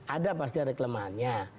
ada pasti ada kelemahannya